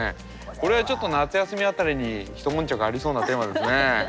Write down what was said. これはちょっと夏休みあたりにひともんちゃくありそうなテーマですね。